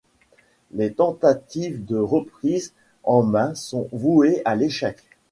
Les tentatives de reprise en main sont vouées à l'échec.